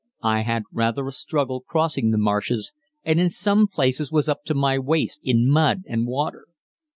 I had rather a struggle crossing the marshes, and in some places was up to my waist in mud and water.